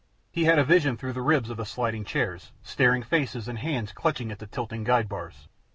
He had a vision through the ribs of sliding chairs, staring faces, and hands clutching at the tilting guide bars.